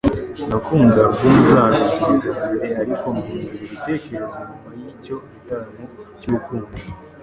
Nakunze alubumu zabo ebyiri za mbere ariko mpindura ibitekerezo nyuma yicyo gitaramo cyurukundo.